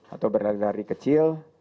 atau berlari lari kecil